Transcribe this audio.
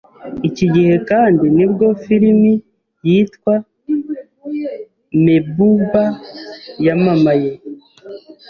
iki gihe kandi nibwo filimi yitwa Mehbuba yamamaye